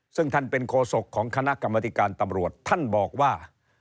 ซึ่งท่านเป็นโคศกของคณะกรรมธิการตำรวจท่านบอกว่า